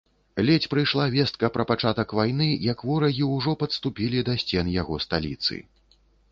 Ледзь прыйшла вестка пра пачатак вайны, як ворагі ўжо падступілі да сцен яго сталіцы.